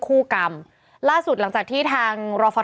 เป็นการกระตุ้นการไหลเวียนของเลือด